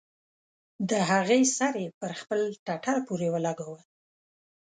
د هغې سر يې پر خپل ټټر پورې ولګاوه.